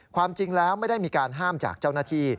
ความจริงแล้วไม่ได้มีการห้ามจากเจ้าหน้าที่